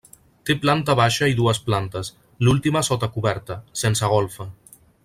Té planta baixa i dues plantes, l'última sota coberta, sense golfa.